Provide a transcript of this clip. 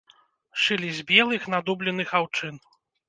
Шылі з белых надубленых аўчын.